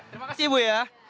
terima kasih ibu ya